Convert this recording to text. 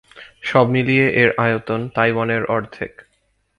সব মিলিয়ে এর আয়তন তাইওয়ানের অর্ধেক।